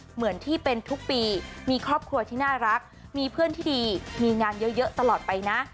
เหมือนที่เป็นทุกปีมีครอบครัวที่น่ารักมีเพื่อนที่ดีมีงานเยอะตลอดไปนะ